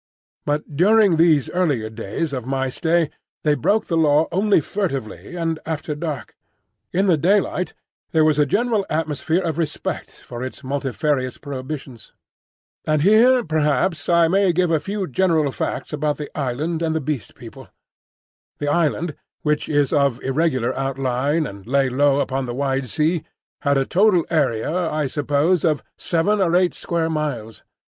But during these earlier days of my stay they broke the Law only furtively and after dark; in the daylight there was a general atmosphere of respect for its multifarious prohibitions. And here perhaps I may give a few general facts about the island and the Beast People. The island, which was of irregular outline and lay low upon the wide sea, had a total area, I suppose, of seven or eight square miles.